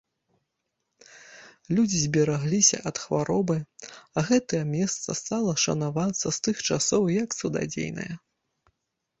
Людзі зберагліся ад хваробы, а гэта месца стала шанавацца з тых часоў як цудадзейнае.